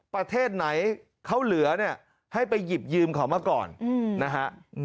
ประเทศไหนเขาเหลือเนี่ยให้ไปหยิบยืมเขามาก่อนนะฮะ